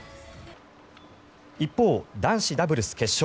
一方、男子ダブルス決勝。